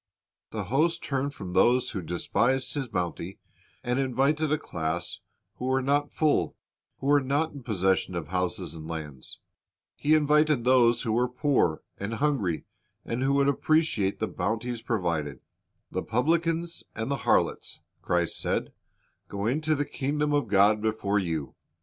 The host turned from those who despised his bounty, and imitcd a class who were not full, who were not in possession of houses and lands. He invited those who were y a Ti/A', aitii there/ore 15 226 Christ's Object Lessons poor and hungry, and who would appreciate the bounties provided. "The pubhcans and the harlots," Christ said, "go into the kingdom of God before you."'